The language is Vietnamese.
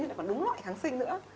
chứ lại còn đúng loại kháng sinh nữa